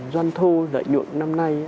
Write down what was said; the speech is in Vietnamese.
doanh thu lợi nhuận năm nay